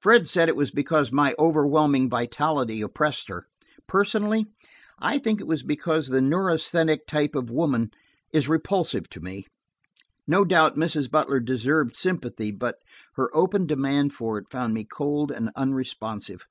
Fred said it was because my overwhelming vitality oppressed her. Personally, I think it was because the neurasthenic type of woman is repulsive to me. No doubt Mrs. Butler deserved sympathy, but her open demand for it found me cold and unresponsive.